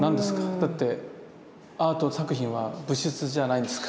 だってアート作品は物質じゃないんですか？